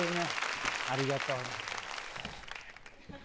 ありがとう。